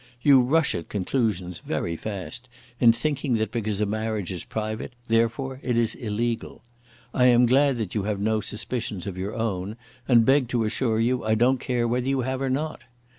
You rush at conclusions very fast in thinking that because a marriage is private, therefore it is illegal. I am glad that you have no suspicions of your own, and beg to assure you I don't care whether you have or not.